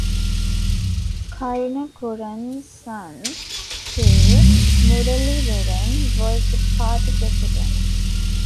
Karunakuran's son K. Muraleedharan was the party president.